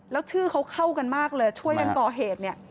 แล้วชื่อเขาเข้ากันมากเลยช่วยกันก่อเหตุเนี่ย